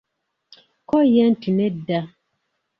Kko ye nti nedda.